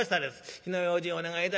火の用心お願いいたしますって